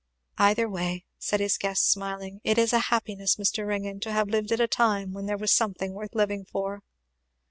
"Either way," said his guest smiling; "it is a happiness, Mr. Ringgan, to have lived at a time when there was something worth living for."